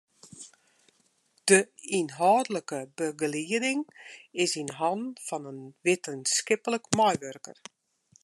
De ynhâldlike begelieding is yn hannen fan in wittenskiplik meiwurker.